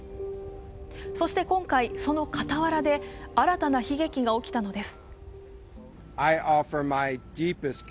そして今回、その傍らで新たな悲劇が起きたのです。